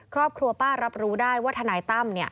ครอบครัวป้ารับรู้ได้ว่าทนายตั้ม